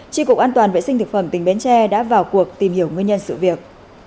tri cục an toàn vệ sinh thực phẩm tỉnh bến tre đã vào cuộc tìm hiểu nguyên nhân sự việc